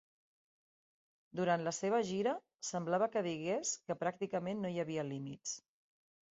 Durant la seva gira, semblava que digués que pràcticament no hi havia límits.